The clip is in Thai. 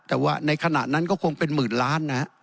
แต่ว่าในขณะนั้นก็คงเป็นหมื่นล้านนะฮะ